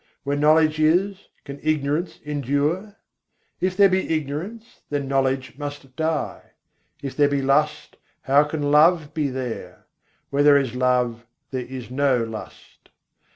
Where knowledge is, can ignorance endure? If there be ignorance, then knowledge must die. If there be lust, how can love be there? Where there is love, there is no lust.